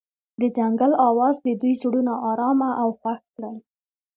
د ځنګل اواز د دوی زړونه ارامه او خوښ کړل.